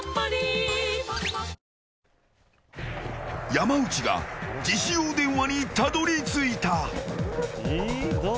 山内が自首用電話にたどり着いた。